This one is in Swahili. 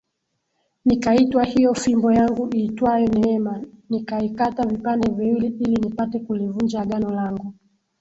Nikaitwa hiyo fimbo yangu iitwayo Neema nikaikata vipande viwili ili nipate kulivunja agano langu